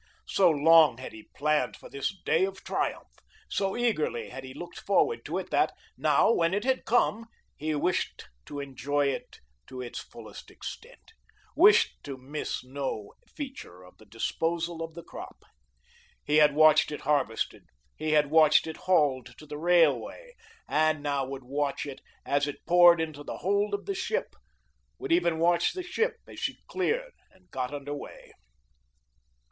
So long had he planned for this day of triumph, so eagerly had he looked forward to it, that now, when it had come, he wished to enjoy it to its fullest extent, wished to miss no feature of the disposal of the crop. He had watched it harvested, he had watched it hauled to the railway, and now would watch it as it poured into the hold of the ship, would even watch the ship as she cleared and got under way.